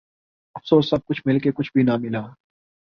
افسوس سب کچھ مل کے کچھ بھی ناں ملا